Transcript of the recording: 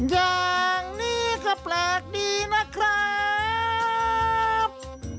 อย่างนี้ก็แปลกดีนะครับ